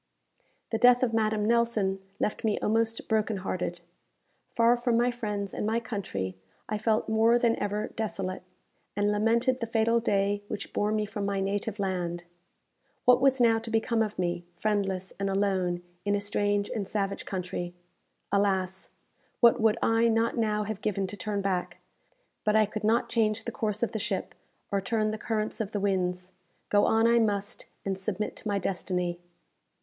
The death of Madame Nelson left me almost broken hearted. Far from my friends and my country, I felt more than ever desolate, and lamented the fatal day which bore me from my native land. What was now to become of me, friendless and alone, in a strange and savage country? Alas! what would I not now have given to turn back; but I could not change the course of the ship, or turn the currents of the winds. Go on I must, and submit to my destiny.